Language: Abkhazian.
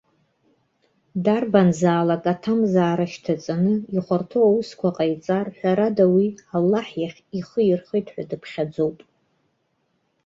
Дарбанзаалак, аҭамзаара шьҭаҵаны ихәарҭоу аусқәа ҟаиҵар, ҳәарада уи, Аллаҳ иахь ихы ирхеит ҳәа дыԥхьаӡоуп.